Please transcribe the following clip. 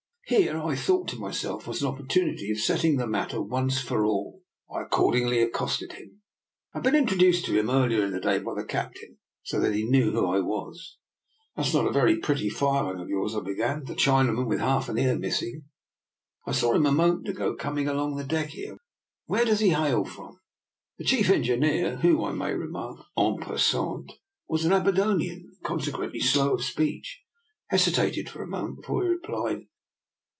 Here, I thought to myself; was an opportunity of set tling the matter once for all. I accordingly accosted him. I had been introduced to him earlier in the day by the captain, so that he knew who I was. "That is not a very pretty fireman of yours," I began, " that Chinaman with half an ear missing. I saw him a moment ago coming along the deck here. Where does he hail from? " The chief engineer, who, I may remark, en passant, was an Aberdonian and, conse quently slow of speech, hesitated for a mo ment before he replied.